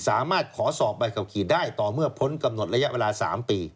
สามารถขอสอบใบขับขี่ได้ต่อเมื่อพ้นกำหนดระยะเวลา๓ปี